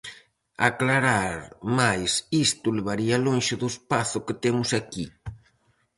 Aclarar máis isto levaría lonxe do espazo que temos aquí.